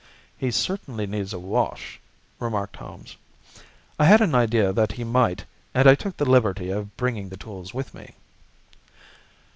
"He certainly needs a wash," remarked Holmes. "I had an idea that he might, and I took the liberty of bringing the tools with me."